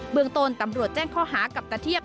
เมืองต้นตำรวจแจ้งข้อหากับตะเทียบ